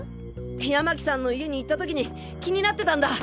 山喜さんの家に行った時に気になってたんだ。